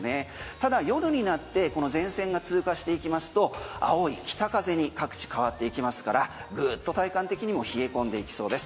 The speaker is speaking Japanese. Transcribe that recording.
ただ夜になってこの前線が通過していきますと青い北風に各地、変わっていきますからぐっと体感的にも冷え込んでいきそうです。